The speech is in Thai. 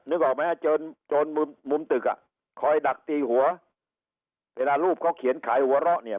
นึกออกไหมฮะโจรมุมมุมตึกอ่ะคอยดักตีหัวเวลารูปเขาเขียนขายหัวเราะเนี่ย